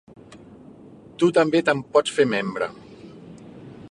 Tu també te'n pots fer membre.